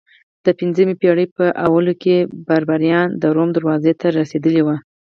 د پنځمې پېړۍ په لومړیو کې بربریان د روم دروازو ته رسېدلي وو